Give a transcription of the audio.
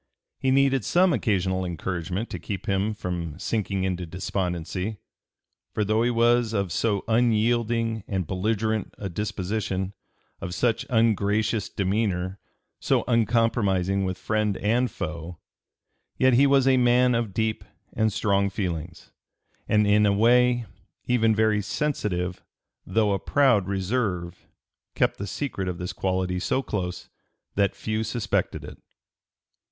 He needed some occasional encouragement to keep him from sinking into despondency; for though he was of so unyielding and belligerent a disposition, of such ungracious demeanor, so uncompromising with friend and foe, (p. 296) yet he was a man of deep and strong feelings, and in a way even very sensitive though a proud reserve kept the secret of this quality so close that few suspected it.